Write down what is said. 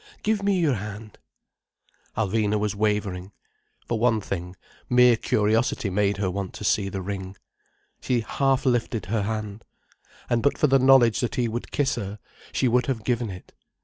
Give me your hand—" Alvina was wavering. For one thing, mere curiosity made her want to see the ring. She half lifted her hand. And but for the knowledge that he would kiss her, she would have given it.